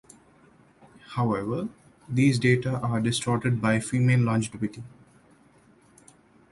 However, these data are distorted by female longevity.